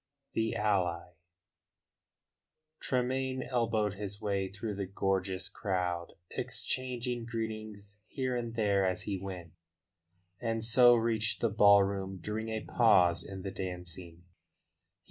THE ALLY Tremayne elbowed his way through the gorgeous crowd, exchanging greetings here and there as he went, and so reached the ballroom during a pause in the dancing.